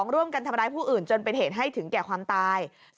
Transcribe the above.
ร่วมกันทำร้ายผู้อื่นจนเป็นเหตุให้ถึงแก่ความตาย